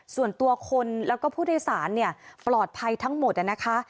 ส่วนตัวคนแล้วก็ผู้โดยสารปลอดภัยทั้งหมดนะคะ